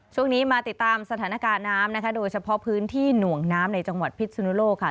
ช่วงนี้มาติดตามสถานการณ์น้ำนะคะโดยเฉพาะพื้นที่หน่วงน้ำในจังหวัดพิษสุนุโลกค่ะ